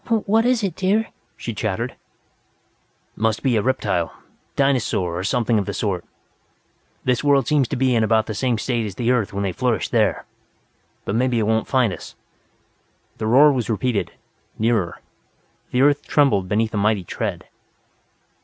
"What is it, dear?" she chattered. "Must be a reptile. Dinosaur, or something of the sort. This world seems to be in about the same state as the Earth when they flourished there.... But maybe it won't find us." The roar was repeated, nearer. The earth trembled beneath a mighty tread.